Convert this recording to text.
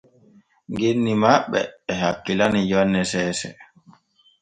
Genni ma ɓe e hakkilani jonne seese.